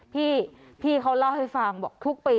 พี่เขาเล่าให้ฟังบอกทุกปี